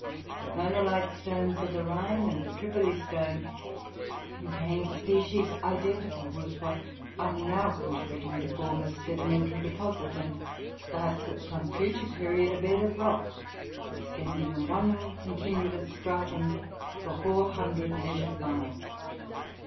The phonolite stones of the Rhine, and the Tripoli stone, contain species identical with what are now contributing to form a sedimentary deposit (and perhaps, at some future period, a bed of rock) extending in one continuous stratum for 400 measured miles.